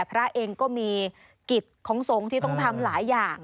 พระเองก็มีกิจของสงฆ์ที่ต้องทำหลายอย่าง